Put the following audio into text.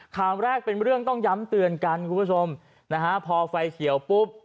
คำแรกเป็นเรื่องต้องย้ำเตือนกันคุณผู้ชมนะฮะพอไฟเขียวปุ๊บ